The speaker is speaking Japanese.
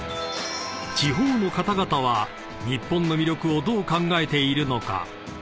［地方の方々は日本の魅力をどう考えているのか？］